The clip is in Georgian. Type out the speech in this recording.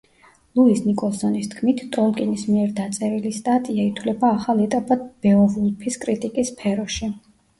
ლუის ნიკოლსონის თქმით, ტოლკინის მიერ დაწერილი სტატია ითვლება ახალ ეტაპად ბეოვულფის კრიტიკის სფეროში.